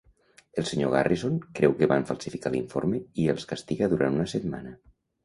El Sr. Garrison creu que van falsificar l'informe i els castiga durant una setmana.